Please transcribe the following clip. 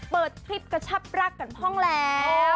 เปิดคลิปกระชับรักษ์กันพร้อมแล้ว